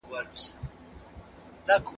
خاموشي د یوې نوې خبرې شاهده وه.